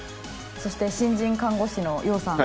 そして新人看護師のＹＯＨさん